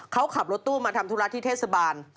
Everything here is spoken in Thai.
เขาขับรถตู้มาทำธุระที่เทศบาล